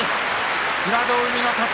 平戸海の勝ち。